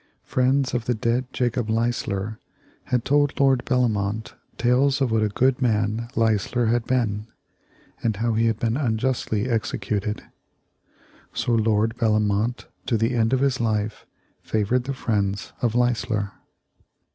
Friends of the dead Jacob Leisler had told Lord Bellomont tales of what a good man Leisler had been, and how he had been unjustly executed. So Lord Bellomont, to the end of his life, favored the friends of Leisler.